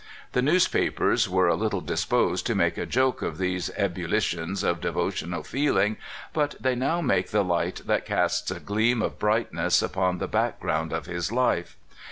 The newspapers were a little disposed to make a joke of these ebullitions of devotional feeling, but they now make the light that casts a gleam of bright ness upon the background of his life.